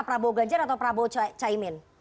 prabowo ganjar atau prabowo caimin